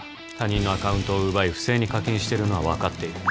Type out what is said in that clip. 「他人のアカウントを奪い不正に課金しているのはわかっている」